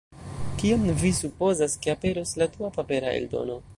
Kiam vi supozas, ke aperos la dua papera eldono?